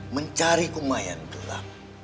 mencari kumayan dulu